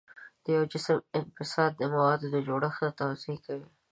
د یو جسم انبساط د موادو جوړښت توضیح کوي.